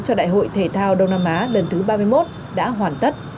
cho đại hội thể thao đông nam á lần thứ ba mươi một đã hoàn tất